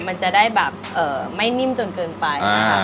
มันจะได้แบบไม่นิ่มจนเกินไปนะคะ